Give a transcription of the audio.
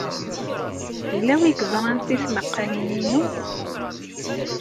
Yella win yeẓran tismaqqalin-inu?